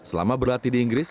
selama berlatih di inggris